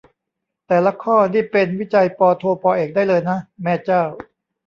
แต่ละข้อนี่เป็นวิจัยปโท ปเอกได้เลยนะ แม่เจ้า